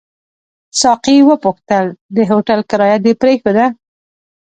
ساقي وپوښتل: د هوټل کرایه دې پرېښوده؟